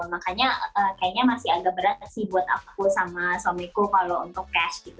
makanya kayaknya masih agak berat sih buat aku sama suamiku kalau untuk cash gitu